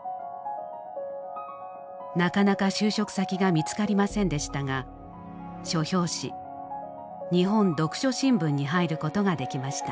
なかなか就職先が見つかりませんでしたが書評紙「日本読書新聞」に入ることができました。